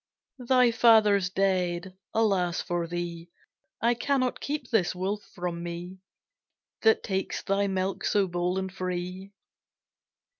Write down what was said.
Thy father's dead, Alas for thee: I cannot keep this wolf from me, That takes thy milk so bold and free.